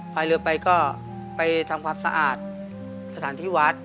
พายเรือไปก็ไปทำความสะอาดสถานที่วัด